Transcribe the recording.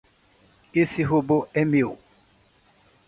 Esse robô é meu.